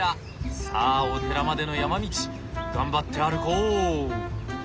さあお寺までの山道頑張って歩こう。